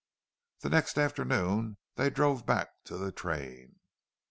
The next afternoon they drove back to the train.